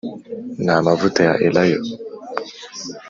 n amavuta ya elayo